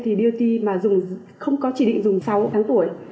thì bot mà không có chỉ định dùng sáu tháng tuổi